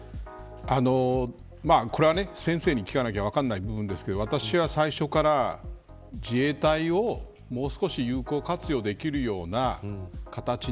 これは先生に聞かなきゃ分からない部分ですけど私は最初から自衛隊をもう少し有効活用できるような形に。